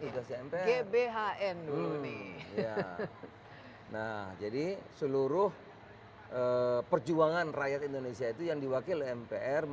sudah mpr gbhn nah jadi seluruh perjuangan rakyat indonesia itu yang diwakili mpr mau